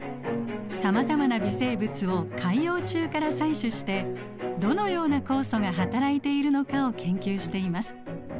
さまざまな微生物を海洋中から採取してどのような酵素がはたらいているのかを研究しています。